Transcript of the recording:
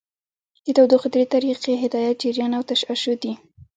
د تودوخې درې طریقې هدایت، جریان او تشعشع دي.